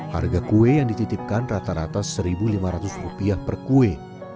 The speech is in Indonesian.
harga kue yang dititipkan rata rata rp satu lima ratus per kue